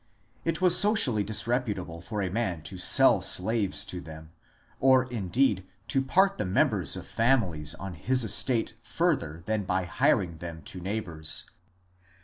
It was socially dis reputable for a man to sell slaves to them, or indeed to part the members of families on his estate further than by hiring them to neighbours.